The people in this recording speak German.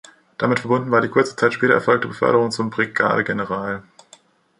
Damit verbunden war die kurze Zeit später erfolgte Beförderung zum Brigadegeneral.